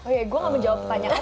oh iya gua ga menjawab pertanyaannya